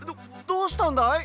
どどうしたんだい？